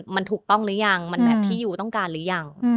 มันถูกต้องหรือยังมันแบบที่ยูต้องการหรือยัง